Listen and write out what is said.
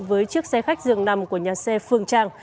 với chiếc xe khách dường nằm của nhà xe phương trang